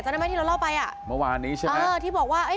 ได้ไหมที่เราเล่าไปอ่ะเมื่อวานนี้ใช่ไหมเออที่บอกว่าเอ้ย